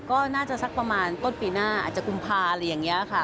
ก็น่าจะสักประมาณต้นปีหน้าอาจจะกุมภาค่ะ